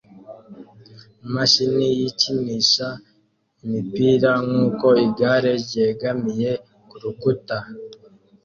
imashini yikinisha imipira nkuko igare ryegamiye kurukuta